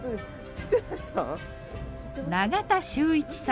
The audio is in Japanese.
知ってました？